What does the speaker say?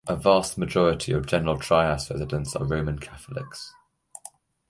A vast majority of General Trias residents are Roman Catholics.